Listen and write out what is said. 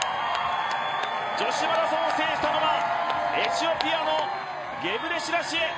女子マラソンを制したのはエチオピアのゲブレシラシエ！